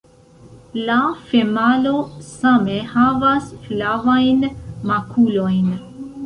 La femalo same havas flavajn makulojn.